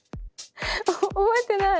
覚えてない！